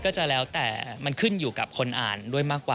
ผมว่าจะแล้วแต่ขึ้นอยู่กับคนอ่านด้วยมาก